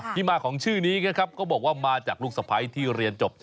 ที่มาของชื่อนี้นะครับก็บอกว่ามาจากลูกสะพ้ายที่เรียนจบ